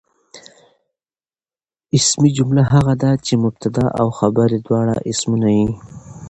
اسمي جمله هغه ده، چي مبتدا او خبر ئې دواړه اسمونه يي.